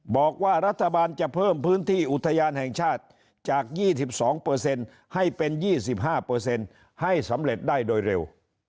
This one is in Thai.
บอกว่ารัฐบาลจะเพิ่มพื้นที่อุทยานแห่งชาติจาก๒๒ให้เป็น๒๕ให้สำเร็จได้โดยเร็ว